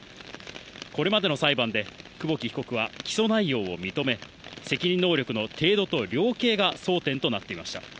これまでの裁判で久保木被告は起訴内容を認め、責任能力の程度と量刑が争点となっていました。